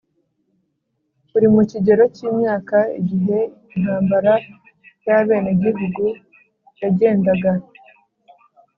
uri mu kigero cy imyaka igihe intambara y abenegihugu yagendaga